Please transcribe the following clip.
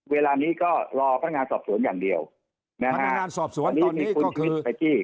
เวลานี้ก็รอพนักงานสอบสวนอย่างเดียวพนักงานสอบสวนตอนนี้ก็คือ